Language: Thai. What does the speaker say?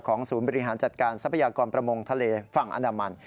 ศูนย์บริหารจัดการทรัพยากรประมงทะเลฝั่งอันดามัน